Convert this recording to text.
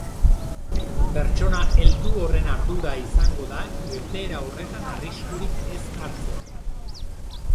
Pertsona heldu horren ardura izango da irteera horretan arriskurik ez hartzea.